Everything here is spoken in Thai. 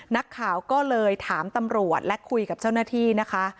นักข่าวก็เลยถามตำรวจและคุยกับเจ้าหน้าที่นะคะ